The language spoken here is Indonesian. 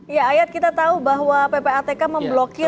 ya ayat kita tahu bahwa ppatk memblokir